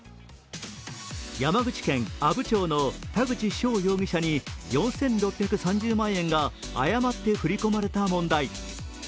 山口県阿武町の田口翔容疑者に４６３０万円が誤って振り込まれた問題。